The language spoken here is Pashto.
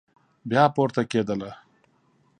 بيا پورته کېده.